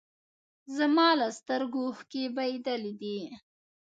زما له سترګو اوښکې بهېدلي دي